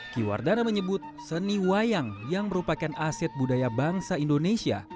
kiwardana menyebut seni wayang yang merupakan aset budaya bangsa indonesia